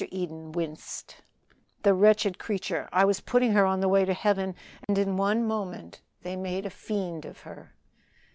Eden winced. "The wretched creature! I was putting her on the way to heaven, and in one moment they made a fiend of her.